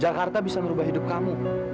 jakarta bisa merubah hidup kamu